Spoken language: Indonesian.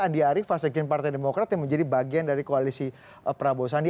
andi arief fasekjen partai demokrat yang menjadi bagian dari koalisi prabowo sandi